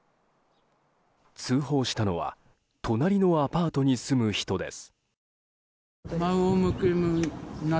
通報したのは隣のアパートに住む人です。